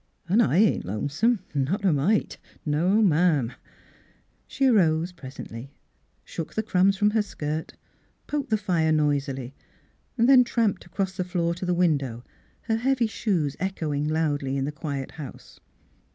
" An' I ain't lonesome — not a mite. No, ma'am !" She arose presently, shook the crumbs from her skirt, poked the fire noisily, then tramped across the floor to the window, her heavy shoes echoing loudly in the quiet house.